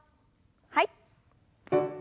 はい。